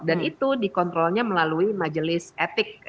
dan itu dikontrolnya melalui majelis etik